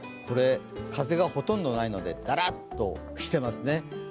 風がほとんどないので、カラッとしてますね。